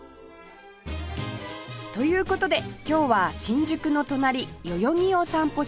という事で今日は新宿の隣代々木を散歩します